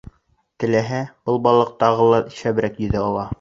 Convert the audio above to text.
Теләһә, был балыҡ тағы ла шәберәк йөҙә ала.